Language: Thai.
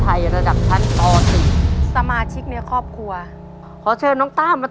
ตัวเลือดที่๓ม้าลายกับนกแก้วมาคอ